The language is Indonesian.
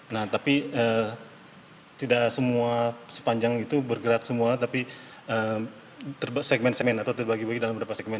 nah tapi tidak semua sepanjang itu bergerak semua tapi segmen segmen atau terbagi bagi dalam beberapa segmen